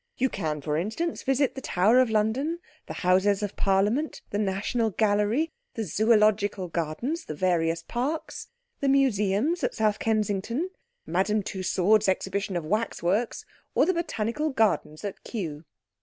You can, for instance visit the Tower of London, the Houses of Parliament, the National Gallery, the Zoological Gardens, the various Parks, the Museums at South Kensington, Madame Tussaud's Exhibition of Waxworks, or the Botanical Gardens at Kew.